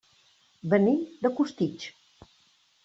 Venim de Costitx.